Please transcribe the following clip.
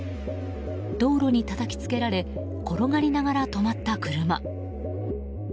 道路にたたき付けられ転がりながら止まった車。